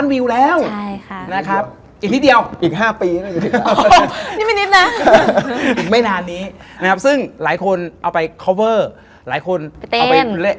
เหมือนวิสงค์เคยบอก